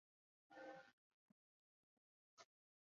当时这里位于上海法租界。